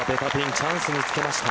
チャンスにつけました。